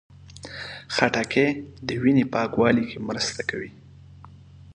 خټکی د وینې پاکوالي کې مرسته کوي.